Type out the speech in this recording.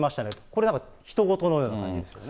これなんかひと事のような感じですよね。